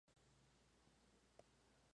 Fue incinerado según su deseo.